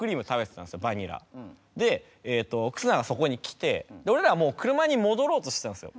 で忽那がそこに来て俺らはもう車に戻ろうとしてたんですよ。